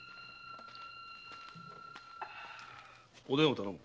おでんを頼む。